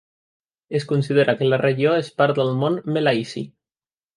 Es considera que la regió és part del món malaisi.